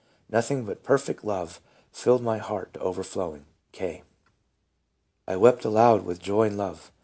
..." Noth ing but perfect love filled my heart to overflowing." — K. "I wept aloud with joy and love.